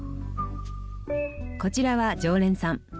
こちらは常連さん。